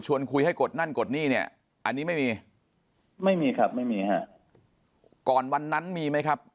คุยให้กดนั่นกดหนี้เนี่ยอันนี้ไม่มีไม่มีครับไม่มีฮะก่อนวันนั้นมีไหมครับ